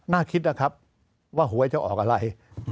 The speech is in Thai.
น่าคิดว่าหัวจะออกอะไร